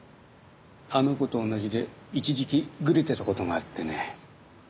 あの子とおんなじで一時期グレてたことがあってね。